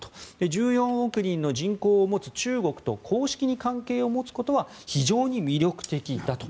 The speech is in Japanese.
１４億人の人口を持つ中国と公式に関係を持つことは非常に魅力的だと。